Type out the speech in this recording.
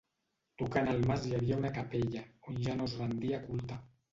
Tocant al mas hi havia una capella, on ja no es rendia culte.